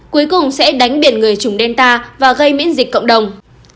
cuối cùng sẽ đánh biển người chủng delta và gây miễn dịch cộng đồng